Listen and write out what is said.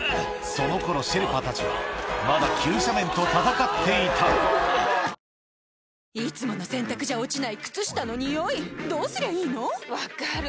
その頃シェルパたちはまだ急斜面と戦っていたいつもの洗たくじゃ落ちない靴下のニオイどうすりゃいいの⁉分かる。